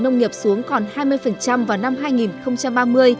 nâng cao tỷ trọng lao động khu vực nông nghiệp xuống còn hai mươi vào năm hai nghìn ba mươi